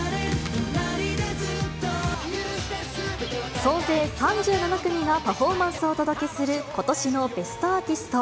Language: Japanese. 総勢３７組がパフォーマンスをお届けすることしのベストアーティスト。